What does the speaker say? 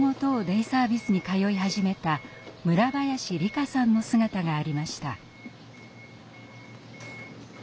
デイサービスに通い始めた村林璃香さんの姿がありました。